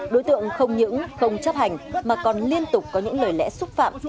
đối tượng không những không chấp hành mà còn liên tục có những lời lẽ xúc phạm